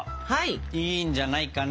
いいんじゃないかな？